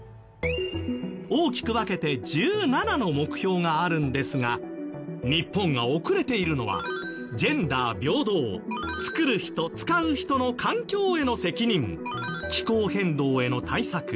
大きく分けて１７の目標があるんですが日本が遅れているのはジェンダー平等つくる人つかう人の環境への責任気候変動への対策